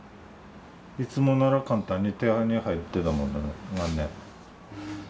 いつもなら簡単に手に入ってたもんだからね毎年。